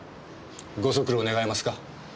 ご足労願えますか。